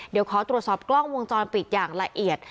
เดี๋ยวขอตรวจสอบกล้องวงจรปิดอย่างละเอียด